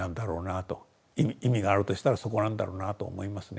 意味があるとしたらそこなんだろうなと思いますね。